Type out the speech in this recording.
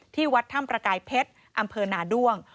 ที่วัดถ้ำประกายเพชรอำเภอนาด้วง